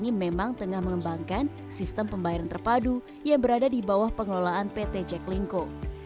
ini memang tengah mengembangkan sistem pembayaran terpadu yang berada di bawah pengelolaan pt jaklingko